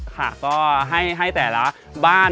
ก็ให้แต่ละบ้าน